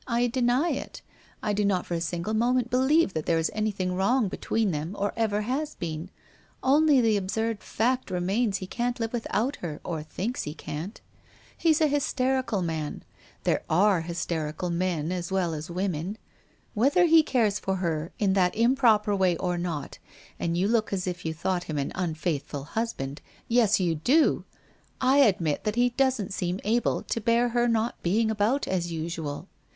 I deny it. I do not for a single moment believe that there is anything wrong between them or ever has been — only the absurd fact re mains he can't live without her, or thinks he can't. He's a hysterical man — there are hysterical men as well as women. Whether he cares for her in that improper way or not, and you look as if you thought him an unfaithful husband — yes, you do !— I admit that he doesn't seem able to bear her not being about as usual.